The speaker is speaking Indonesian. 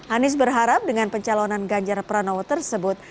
anies berharap dengan pencalonan ganjar pranowo tersebut